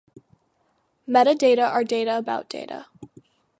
Metadata are data about data.